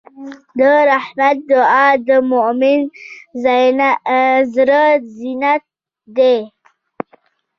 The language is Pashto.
د رحمت دعا د مؤمن زړۀ زینت دی.